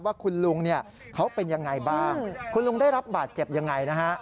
ว่าคุณลุงเนี่ยเขาเป็นยังไงบ้างคุณลุงได้รับบาดเจ็บยังไงนะฮะ